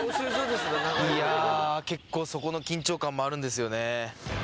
いや結構そこの緊張感もあるんですよね。